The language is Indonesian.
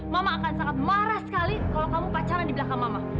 mama akan sangat marah sekali kalau kamu pacaran di belakang mama